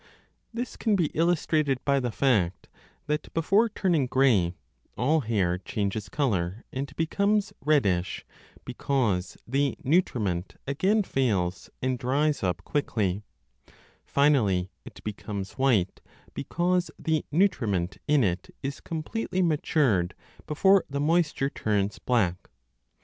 This can be illustrated by the fact that before turning grey all hair changes colour and becomes reddish, because the nutriment 15 again fails and dries up quickly ; finally it becomes white, because the nutriment in it is completely matured before the moisture turns black.